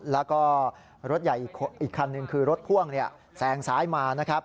แล้วก็รถใหญ่อีกคันหนึ่งคือรถพ่วงแซงซ้ายมานะครับ